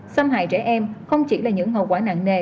xâm hại trẻ em không chỉ là những hậu quả nặng nề